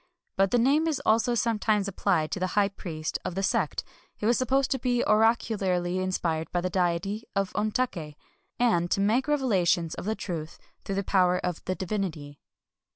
But the name is also sometimes applied to the high priest of the sect, who is supposed to be oracularly inspired by the deity of Ontak^, and to make revelations of truth through the power of the divinity.